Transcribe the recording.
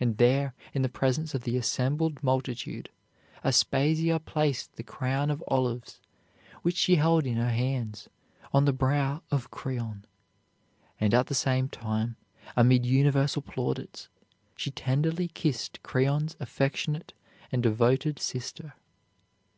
And there, in the presence of the assembled multitude, Aspasia placed the crown of olives, which she held in her hands, on the brow of Creon; and at the same time, amid universal plaudits, she tenderly kissed Creon's affectionate and devoted sister.